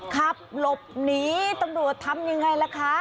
ขับหลบหนีตำรวจทำยังไงล่ะคะ